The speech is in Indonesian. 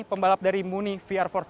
pembalap dari muni vr empat puluh enam